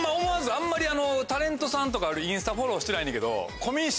あんまりタレントさんとかインスタフォローしてないねんけどコ・ミンシ。